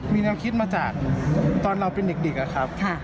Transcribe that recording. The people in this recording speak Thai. มีแนวคิดมาจากตอนเราเป็นเด็กอะครับ